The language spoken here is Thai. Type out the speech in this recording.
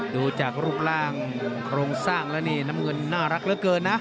ดูจากรูปร่างโครงสร้างแล้วนี่น้ำเงินน่ารักเหลือเกินนะ